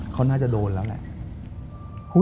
เขาน่าจะโดนแล้วแหละ